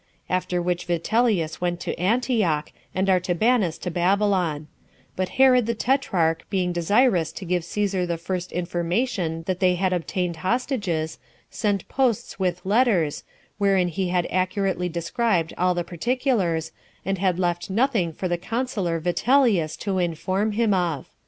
After which Vitellius went to Antioch, and Artabanus to Babylon; but Herod [the tetrarch] being desirous to give Cæsar the first information that they had obtained hostages, sent posts with letters, wherein he had accurately described all the particulars, and had left nothing for the consular Vitellius to inform him of.